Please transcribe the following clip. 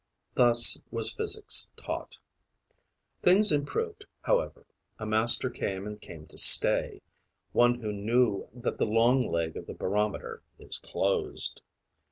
Thus was physics taught. Things improved, however: a master came and came to stay, one who knew that the long leg of the barometer is closed.